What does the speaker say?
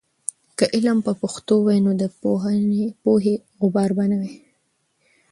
که علم په پښتو وي، نو د پوهې غبار به نه وي.